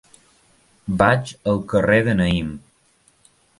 Vaig al carrer de Naïm.